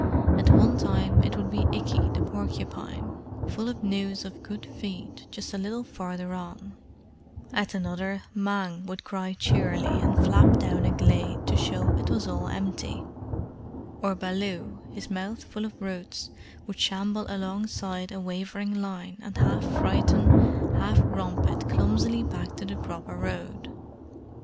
At one time it would be Ikki the Porcupine, full of news of good feed just a little farther on; at another Mang would cry cheerily and flap down a glade to show it was all empty; or Baloo, his mouth full of roots, would shamble alongside a wavering line and half frighten, half romp it clumsily back to the proper road.